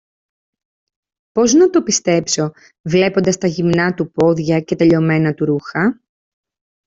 Πώς να το πιστέψω, βλέποντας τα γυμνά του πόδια και τα λιωμένα του ρούχα;